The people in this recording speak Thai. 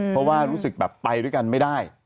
เพราะว่ารู้สึกแบบไปด้วยกันไม่ได้